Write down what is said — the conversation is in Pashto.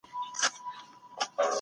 کندهار ښکلی دی